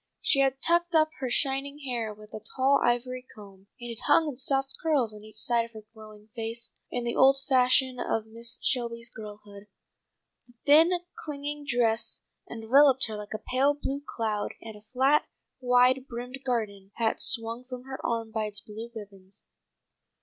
She had tucked up her shining hair with a tall ivory comb, and it hung in soft curls on each side of her glowing face, in the old fashion of Mrs. Shelby's girlhood. The thin, clinging dress enveloped her like a pale blue cloud, and a flat, wide brimmed garden hat swung from her arm by its blue ribbons.